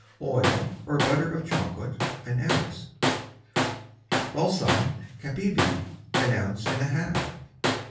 Oil or Butter of Chocolate, an Ounce. Balsam Capivi, an Ounce and a half.